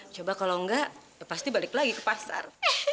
coba kalau enggak ya pasti balik lagi ke pasar